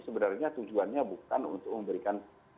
sebenarnya tujuannya bukan untuk memberikan